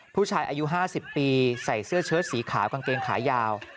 ผู้ชายอายุ๕๐ปีใส่เสื้อเชิดสีขาวกางเกงขายาว